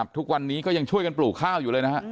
ทุกวันนี้ยังช่วยการปลูกข้าวอยู่